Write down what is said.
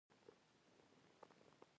بوره او مالګه سپین زهر بلل کیږي.